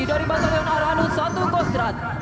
dari batalion arhanus satu kostrad